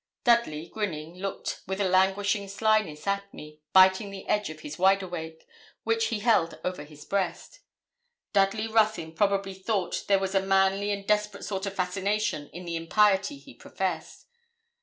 Dudley, grinning, looked with a languishing slyness at me, biting the edge of his wide awake, which he held over his breast. Dudley Ruthyn probably thought there was a manly and desperate sort of fascination in the impiety he professed.